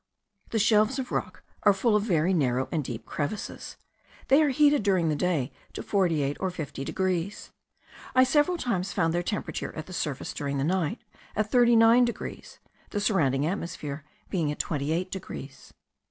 The shelves of rock are full of very narrow and deep crevices. They are heated during the day to 48 or 50 degrees. I several times found their temperature at the surface, during the night, at 39 degrees, the surrounding atmosphere being at 28 degrees.